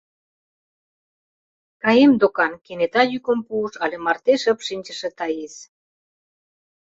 — Каем докан... — кенета йӱкым пуыш але марте шып шинчыше Таис.